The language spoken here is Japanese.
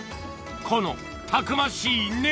このたくましい根！